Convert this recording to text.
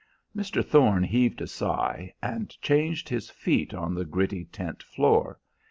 Mr. Thorne heaved a sigh, and changed his feet on the gritty tent floor.